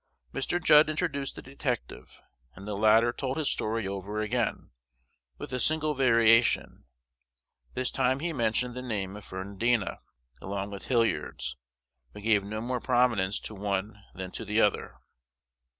Mr. Judd introduced the detective; and the latter told his story over again, with a single variation: this time he mentioned the name of Ferrandina along with Hilliard's, but gave no more prominence to one than to the other.